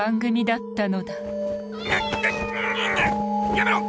やめろ！